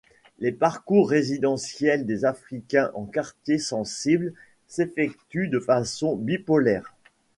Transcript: Les parcours résidentiels des Africains en quartiers sensibles s’effectuent de façon bipolaire.